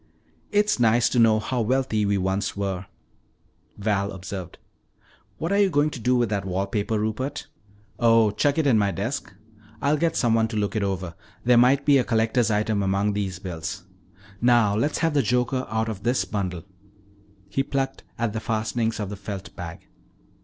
"It's nice to know how wealthy we once were," Val observed. "What are you going to do with that wall paper, Rupert?" "Oh, chuck it in my desk. I'll get someone to look it over; there might be a collector's item among these bills. Now let's have the joker out of this bundle." He plucked at the fastenings of the felt bag.